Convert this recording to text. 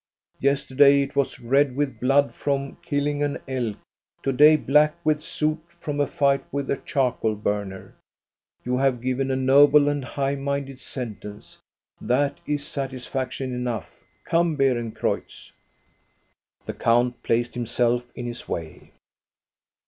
Yester day it was red with blood from killing an elk, to day black with soot from a fight with a charcoal burner. You have given a noble and high minded sentence. That is satisfaction enough. Come, Beerencreutz !" The count placed himself in his way.